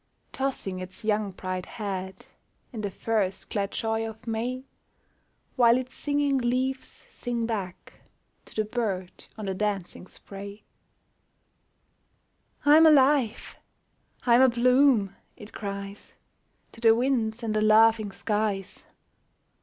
Tossing its young bright head In the first glad joy of May, While its singing leaves sing back To the bird on the dancing spray. " I'm alive ! I'm abloom !" it cries To the winds and the laughing skies.